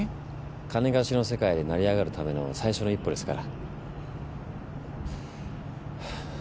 金貸しの世界で成り上がるための最初の一歩ですから。